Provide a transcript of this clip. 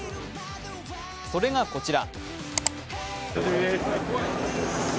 それがこちら。